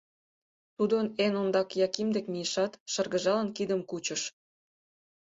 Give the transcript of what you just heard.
Тудо эн ондак Яким дек мийышат, шыргыжалын, кидым кучыш.